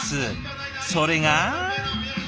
それが？